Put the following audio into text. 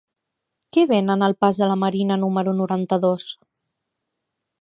Què venen al pas de la Marina número noranta-dos?